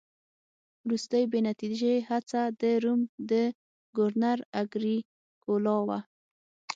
وروستۍ بې نتیجې هڅه د روم د ګورنر اګریکولا وه